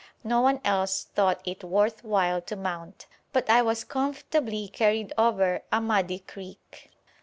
No one else thought it worth while to mount, but I was comfortably carried over a muddy creek.